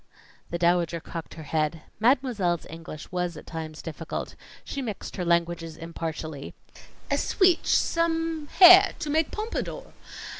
The Dowager cocked her head. Mademoiselle's English was at times difficult. She mixed her languages impartially. "A sweetch some hair to make pompadour.